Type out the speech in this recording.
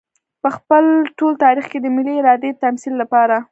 په خپل ټول تاريخ کې د ملي ارادې د تمثيل لپاره.